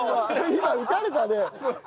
今打たれたね。